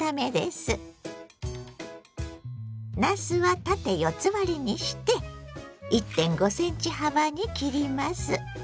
なすは縦四つ割りにして１．５ｃｍ幅に切ります。